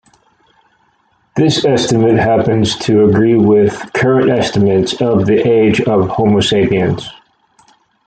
This estimate happens to agree with current estimates on the age of "Homo sapiens".